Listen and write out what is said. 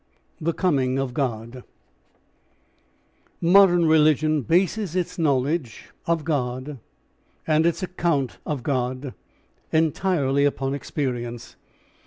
THE COMING OF GOD Modern religion bases its knowledge of God and its account of God entirely upon experience.